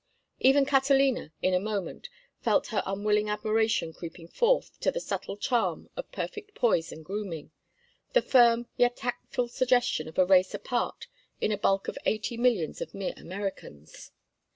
Even Catalina, in a moment, felt her unwilling admiration creeping forth to the subtle charm of perfect poise and grooming, the firm yet tactful suggestion of a race apart in a bulk of eighty millions of mere Americans.